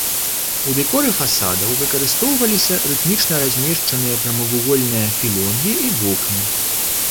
У дэкоры фасадаў выкарыстоўваліся рытмічна размешчаныя прамавугольныя філёнгі і вокны.